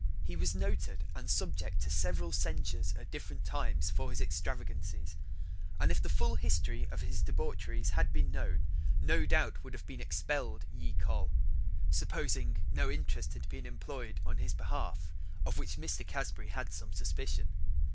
He was noted, and subject to severall censures at different times for his extravagancies: and if the full history of his debaucheries had bin known, no doubt would have been expell'd ye Coll., supposing that no interest had been imploy'd on his behalf, of which Mr. Casbury had some suspicion.